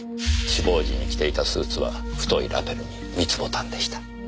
死亡時に着ていたスーツは太いラベルに３つボタンでした。